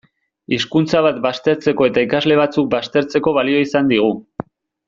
Hizkuntza bat baztertzeko eta ikasle batzuk baztertzeko balio izan digu.